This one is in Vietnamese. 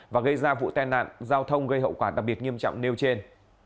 và gây ra vụ tai nạn giao thông gây hậu quả đặc biệt nghiêm trọng nêu trên